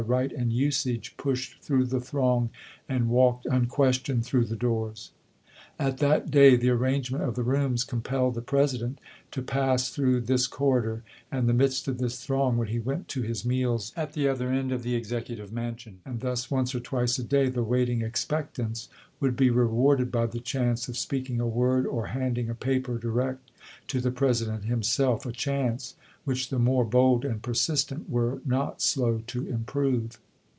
right and usage, pushed through the throng and walked unquestioned through the doors. At that day the arrangement of the rooms compelled the President to pass through this corridor and the midst of this throng when he went to his meals at the other end of the Executive Mansion ; and thus, once or twice a day, the waiting expectants would be rewarded by the chance of speaking a word, or handing a paper direct to the President himself — a chance which the more bold and persistent were not slow to improve.